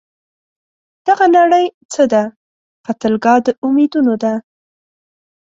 دغه نړۍ څه ده؟ قتلګاه د امیدونو ده